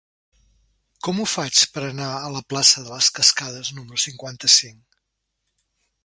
Com ho faig per anar a la plaça de les Cascades número cinquanta-cinc?